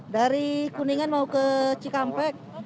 dari kuningan mau ke cikampek